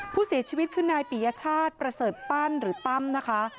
ผู้เสียชีวิตคือนายปียชาติประเสริฐปั้นหรือตั้มนะคะ